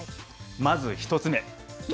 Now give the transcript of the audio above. まず１つ目。